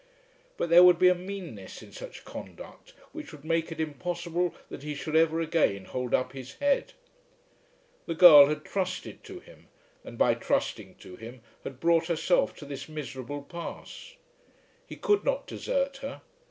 But there would be a meanness in such conduct which would make it impossible that he should ever again hold up his head. The girl had trusted to him, and by trusting to him had brought herself to this miserable pass. He could not desert her.